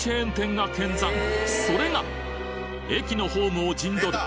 それが駅のホームを陣取る